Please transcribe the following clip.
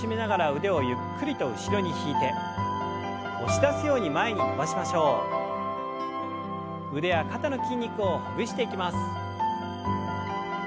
腕や肩の筋肉をほぐしていきます。